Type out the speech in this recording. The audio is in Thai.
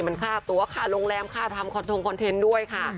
มันฆ่าตัวขาดโรงแรมฆ่าทำคุณคอลเทนต์ด้วย